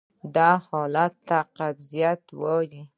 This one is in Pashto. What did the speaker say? دا حالت ته قبضیت وایې.